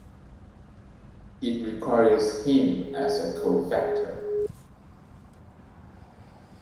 It requires heme as a cofactor.